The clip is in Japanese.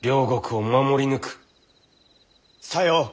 さよう。